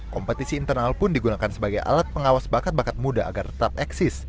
kompetisi internal pun digunakan sebagai alat pengawas bakat bakat muda agar tetap eksis